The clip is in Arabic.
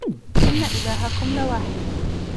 إِنَّ إِلَهَكُمْ لَوَاحِدٌ